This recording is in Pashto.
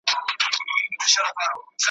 په څو ځله لوستلو یې په معنا نه پوهېږم ,